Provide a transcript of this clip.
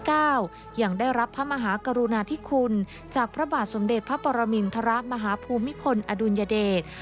ยังได้รับพระมหากรุณาธิคุณจากพระบาทสมเด็จพระปรมินทรมาฮภูมิพลอดุลยเดช